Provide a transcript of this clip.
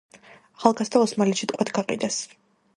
ახალგაზრდა ოსმალეთში ტყვედ გაყიდეს.